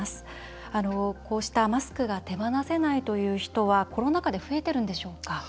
こうしたマスクが手放せないという人はコロナ禍で増えているんでしょうか？